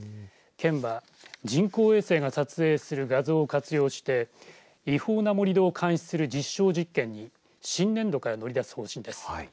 県は人工衛星が撮影する画像を活用して違法な盛り土を監視する実証実験に新年度から乗り出す方針です。